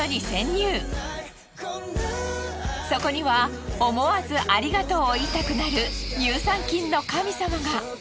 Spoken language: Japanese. そこには思わずありがとうを言いたくなる乳酸菌の神様が。